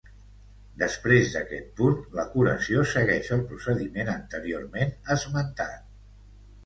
Després d'aquest punt, la curació segueix el procediment anteriorment esmentat.